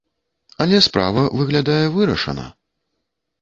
Але справа, выглядае, вырашана.